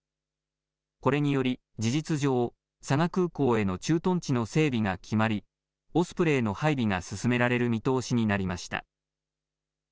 これにより事実上、佐賀空港への駐屯地の整備が決まり、オスプレイの配備が進められる見通しになりました。